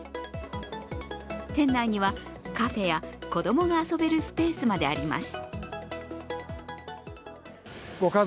店内にはカフェや子供が遊べるスペースまであります。